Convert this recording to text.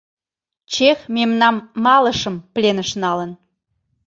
Чех мемнам малышым пленыш налын...